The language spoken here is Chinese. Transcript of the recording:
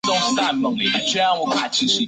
拱胸虫为圆管虫科拱胸虫属的动物。